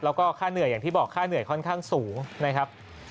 แล้วก็ค่าเหนื่อยอย่างที่บอกค่าเหนื่อยค่อนข้างสูงนะครับ